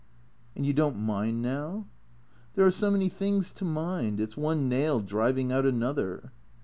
" And you don't mind — now ?"" There are so many things to mind. It 's one nail driving out another."